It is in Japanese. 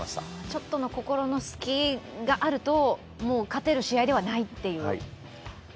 ちょっとの心の隙があると勝てる試合ではないという。